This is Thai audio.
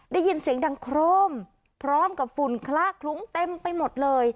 ได้ยินเสียงดังโครมพร้อมกับฝุ่นคละคลุ้งเต็มไปหมดเลย